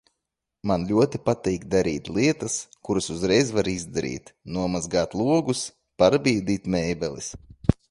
Man ļoti patīk darīt lietas, kuras uzreiz var izdarīt. Nomazgāt logus. Pārbīdīt mēbeles.